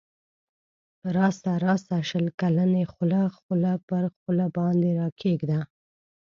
راسه راسه شل کلنی خوله خوله پر خوله باندی راکښېږده